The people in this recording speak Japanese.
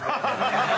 ハハハハ！